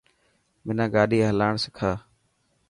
منا گاڏي هلاڻ سکا.